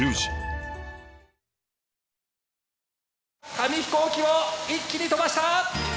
紙ヒコーキを一気に飛ばした！